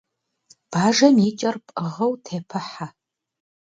Бажэм и кӏэр пӏыгъыу тепыхьэ.